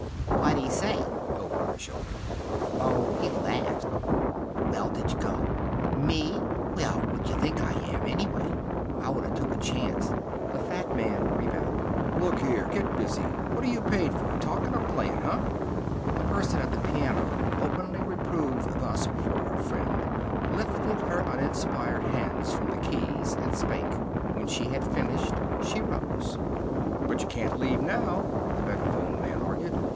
"Wha'd he say?" (Over her shoulder.) "Oh, he laffed." "Well, didja go?" "Me! Well, whutya think I yam, anyway?" "I woulda took a chanst." The fat man rebelled. "Look here! Get busy! What are you paid for? Talkin' or playin'? Huh?" The person at the piano, openly reproved thus before her friend, lifted her uninspired hands from the keys and spake. When she had finished she rose. "But you can't leave now," the megaphone man argued.